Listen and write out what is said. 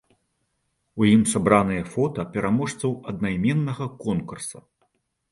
У ім сабраныя фота пераможцаў аднайменнага конкурса.